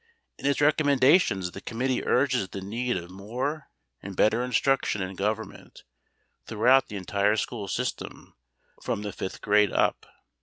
In its recommendations the committee urges the need of more and better instruction in Government, throughout the entire school system from the fifth grade up.